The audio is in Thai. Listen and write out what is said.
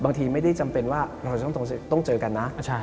บางทีไม่ได้จำเป็นว่าเราจะต้องเจอกันนะ